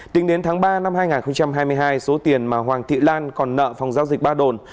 tính đến tháng ba năm hai nghìn hai mươi hai số tiền mà hoàng thị lan còn nợ phòng giao dịch ba đồn